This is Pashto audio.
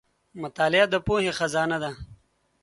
• مطالعه د پوهې خزانه ده.